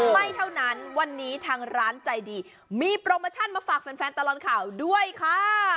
ไม่เท่านั้นวันนี้ทางร้านใจดีมีโปรโมชั่นมาฝากแฟนตลอดข่าวด้วยค่ะ